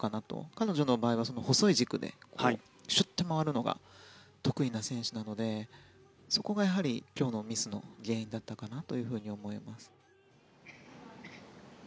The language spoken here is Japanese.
彼女の場合は細い軸でシュッて回るのが得意な選手ですのでそこが今日のミスの原因だったかなと思います。